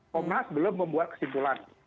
komnas belum membuat kesimpulan